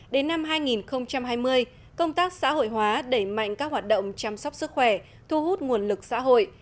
đến năm hai nghìn hai mươi công tác xã hội hóa đẩy mạnh các hoạt động chăm sóc sức khỏe thu hút nguồn lực xã hội